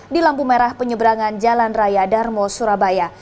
di lampu merah penyeberangan jalan raya darmo surabaya